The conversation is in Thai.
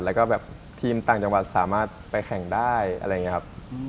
แล้วก็แบบทีมต่างจังหวัดสามารถไปแข่งได้อะไรอย่างนี้ครับ